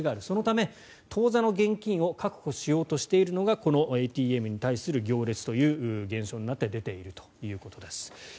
そのため、当座の現金を確保しようとしているのがこのＡＴＭに対する行列という現象として出ているということです。